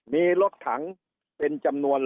มีรถถังเป็นจำนวน